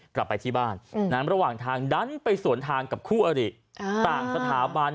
กลับไปที่บ้านระหว่างทางดันไปสวนทางกับคู่อริต่างสถาบัน